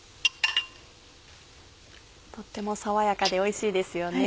とても爽やかでおいしいですよね。